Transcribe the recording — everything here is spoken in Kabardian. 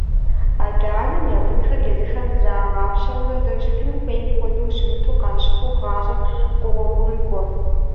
Адэ-анэм я бынхэр езыхэм зрагъапщэурэ, зэрыщытын хуейм хуэдэу щымыту къащыхъуу гъащӀэр къогъуэгурыкӀуэ.